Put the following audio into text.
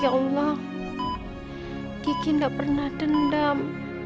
ya allah gigi enggak pernah dendam